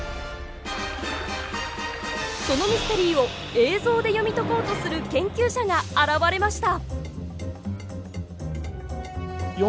そのミステリーを映像で読み解こうとする研究者が現れました。